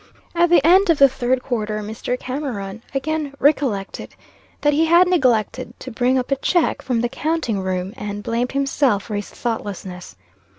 At the end of the third quarter, Mr. Cameron again recollected that he had neglected to bring up a check from the counting room, and blamed himself for his thoughtlessness.